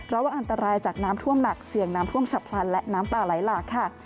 ระวังอันตรายจากน้ำท่วมหนักเสี่ยงน้ำท่วมฉับพลันและน้ำป่าไหลหลากค่ะ